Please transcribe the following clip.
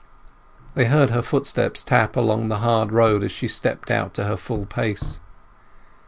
They heard her footsteps tap along the hard road as she stepped out to her full pace.